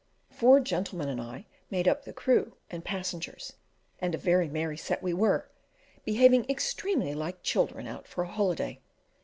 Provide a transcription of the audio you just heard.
Four gentlemen and I made up the crew and passengers, and a very merry set we were, behaving extremely like children out for a holiday.